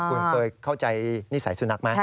คุณเคยเข้าใจนิสัยสุนัขไหม